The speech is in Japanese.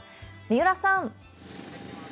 三浦さん。